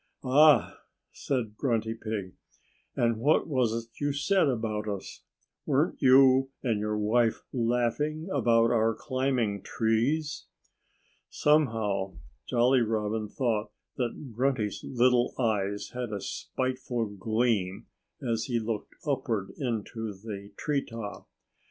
"Ah!" said Grunty Pig. "And what was it you said about us? Weren't you and your wife laughing about our climbing trees?" Somehow Jolly Robin thought that Grunty's little eyes had a spiteful gleam as he looked upward into the tree top.